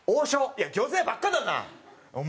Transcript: いや餃子屋ばっかだなお前。